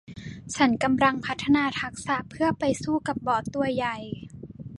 ฉันกำลังพัฒนาทักษะเพื่อไปสู้กับบอสตัวใหญ่